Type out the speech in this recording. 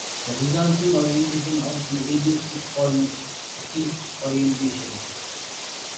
The resulting orientation of the edges is called an acyclic orientation.